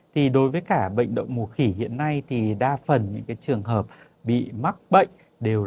thì đối với cả bệnh động mùa khỉ hiện nay thì đặc biệt là bệnh động mùa khỉ hiện nay thì đặc biệt là bệnh động mùa khỉ hiện nay